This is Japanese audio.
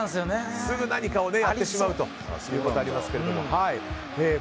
すぐ何かをやってしまうということはありますけど。